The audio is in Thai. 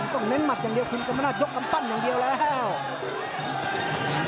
ต้องเน้นมัดอย่างเดียวคุณกำลังนัดยกกำตั้นอย่างเดียวแล้ว